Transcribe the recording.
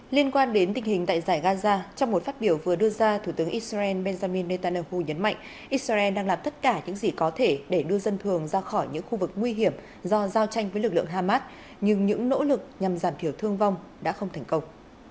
liên quan đến tình hình tại giải gaza trong một phát biểu vừa đưa ra thủ tướng israel benjamin netanyahu nhấn mạnh israel đang làm tất cả những gì có thể để đưa dân thường ra khỏi những khu vực nguy hiểm do giao tranh với lực lượng hamas nhưng những nỗ lực nhằm giảm thiểu thương vong đã không thành công